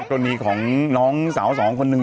กรณีของน้องสาวสองคนหนึ่ง